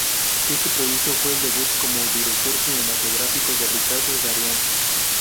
Este proyecto fue el debut como director cinematográfico de Ricardo Darín.